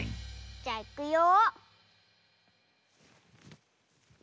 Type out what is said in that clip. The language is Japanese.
じゃあいくよ。